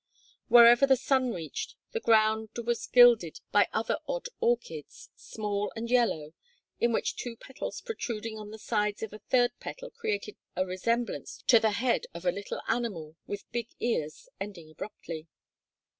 Wherever the sun reached, the ground was gilded by other odd orchids, small and yellow, in which two petals protruding on the sides of a third petal created a resemblance to the head of a little animal with big ears ending abruptly.